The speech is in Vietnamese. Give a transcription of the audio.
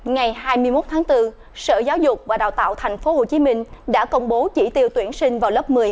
ngày hai mươi một tháng bốn sở giáo dục và đào tạo tp hcm đã công bố chỉ tiêu tuyển sinh vào lớp một mươi